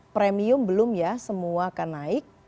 premium belum ya semua akan naik